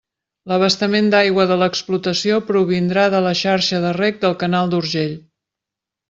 L'abastament d'aigua de l'explotació provindrà de la xarxa de reg del canal d'Urgell.